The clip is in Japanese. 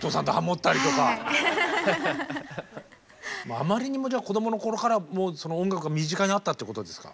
あまりにも子どもの頃から音楽が身近にあったっていうことですか。